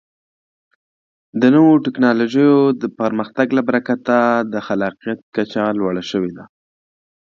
د نوو ټکنالوژیو د پرمختګ له برکته د خلاقیت کچه لوړه شوې ده.